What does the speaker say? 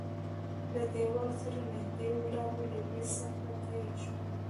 له دېوال سره نږدې ولاړ و، له دوی څخه تېر شوو.